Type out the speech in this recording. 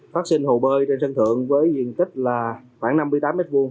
phát sinh hồ bơi trên sân thượng với diện tích là khoảng năm mươi tám m hai